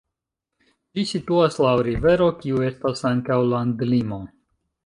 Ĝi situas laŭ rivero, kiu estas ankaŭ landlimo.